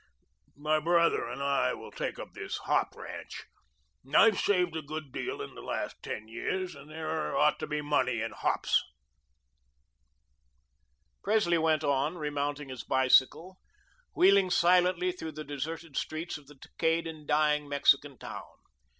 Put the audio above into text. "My brother and I will take up this hop ranch. I've saved a good deal in the last ten years, and there ought to be money in hops." Presley went on, remounting his bicycle, wheeling silently through the deserted streets of the decayed and dying Mexican town.